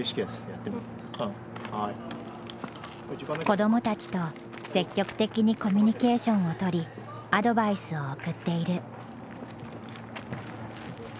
子どもたちと積極的にコミュニケーションをとりアドバイスを送っている。